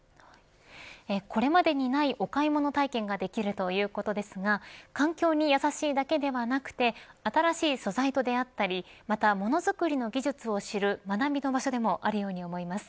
これまでにないお買い物体験ができるということですが環境に優しいだけではなくて新しい素材と出会ったりまた、ものづくりの技術を知る学びの場所でもあるように思います。